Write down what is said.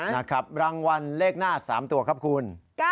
นะครับรางวัลเลขหน้า๓ตัวครับคุณ